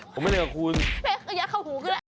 ผมไม่เล่นกับคุณก็ยัดเข้าหูก็ได้